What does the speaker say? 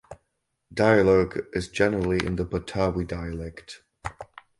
Dialogue is generally in the Betawi dialect.